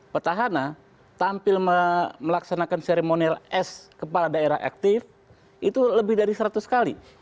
petahana tampil melaksanakan seremonial s kepala daerah aktif itu lebih dari seratus kali